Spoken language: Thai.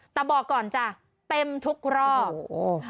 แต่บอกก่อนจ้ะเต็มทุกรอบโอ้โห